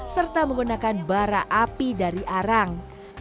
serta menggunakan bara api dari arang